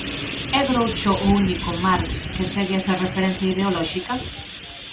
É Groucho o único Marx que segue a ser referencia ideolóxica?